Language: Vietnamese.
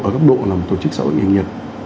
ở gấp độ là một tổ chức xã hội nghiệp